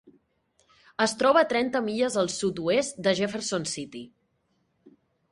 Es troba a trenta milles al sud-oest de Jefferson City.